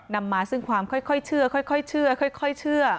นำมาซึ่งความค่อยค่อยเชื่อค่อยค่อยเชื่อค่อยค่อยเชื่อ